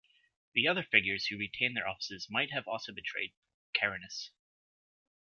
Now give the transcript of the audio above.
The other figures who retained their offices might have also betrayed Carinus.